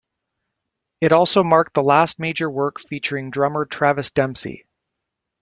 It also marked the last major work featuring drummer Travis Demsey.